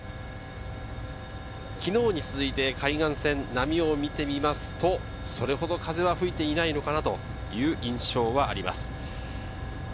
昨日に続いて、海岸線、波を見ると、それほど風は吹いていないのかなという印象があります。